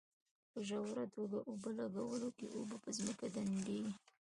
په ژوره توګه اوبه لګولو کې اوبه په ځمکه کې ډنډېږي.